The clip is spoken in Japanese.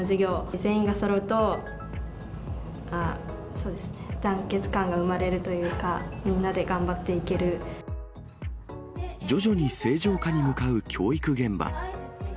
全員がそろうと、団結感が生まれるというか、みんなで頑張ってい徐々に正常化に向かう教育現場。